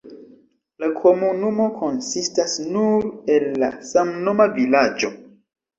La komunumo konsistas nur el la samnoma vilaĝo.